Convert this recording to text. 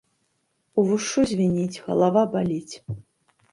Увушшу звініць, галава баліць.